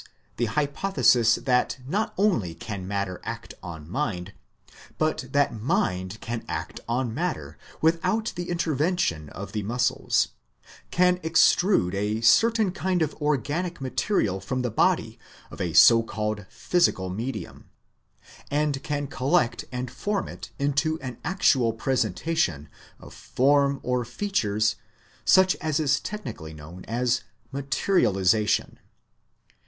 the hypothesis that not only can matter act on mind, but that mind can act on matter without the intervention of the muscles, can extrude a certain kind of organic material from the body of a so called physical medium, and can collect and form it into an actual presentation of form or features such as is technically known as materialisa tion.